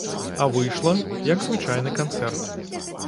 А выйшла, як звычайны канцэрт.